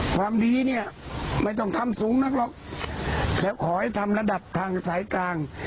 ความดีเนี่ยไม่ต้องทำสูงนักหรอกแล้วขอให้ทำระดับทางสายกลาง